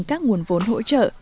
các nguồn vốn hỗ trợ